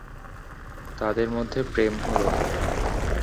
তাদের মধ্যে প্রেম হল।